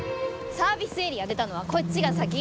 サービスエリア出たのはこっちが先。